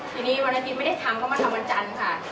ทีนี้วันอาทิตย์ไม่ได้ทำเขามาทำวันจันทร์ค่ะ